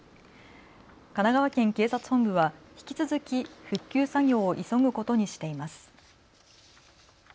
神奈川県警察本部は引き続き復旧作業を急ぐことにしています。